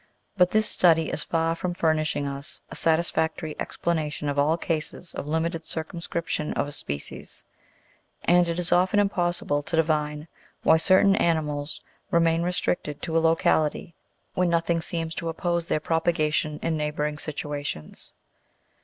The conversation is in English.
But this study is far from furnishing us a satisfactory explanation of all cases of limited circumscription of a species, and it is often impossible to divine why certain animals remain restricted to a locality, when nothing seems to oppose their propagation in neighbouring situa tions.